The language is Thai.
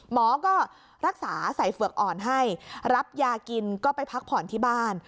หมอก็รักษาใส่เฝือกอ่อนให้รับยากินก็ไปพักผ่อนที่บ้าน